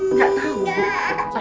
nggak tahu bu